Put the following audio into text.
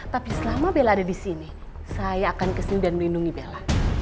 tapi selama bella ada di sini saya akan kesini dan melindungi bella